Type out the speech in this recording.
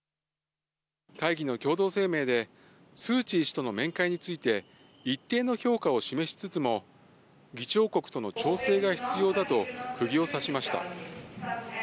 会議の共同声明で、スーチー氏との面会について、一定の評価を示しつつも、議長国との調整が必要だと、くぎを刺しました。